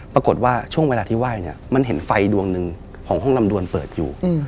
ปรากฏว่าช่วงเวลาที่ไหว้เนี่ยมันเห็นไฟดวงหนึ่งของห้องลำดวนเปิดอยู่